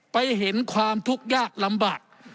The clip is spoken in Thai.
ไปเห็นความทุกข์ยากลำบาก